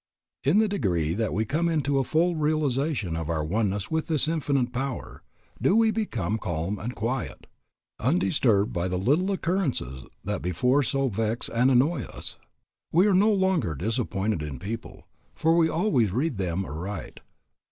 In the degree that we come into a full realization of our oneness with this Infinite Power do we become calm and quiet, undisturbed by the little occurrences that before so vex and annoy us. We are no longer disappointed in people, for we always read them aright.